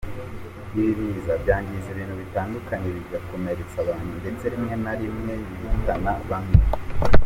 Ibi biza byangiza ibintu bitandukanye, bikomeretsa abantu ndetse rimwe na rimwe bihitana bamwe .